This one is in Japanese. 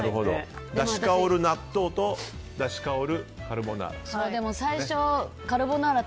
だし香る納豆とだし香るカルボナーラ。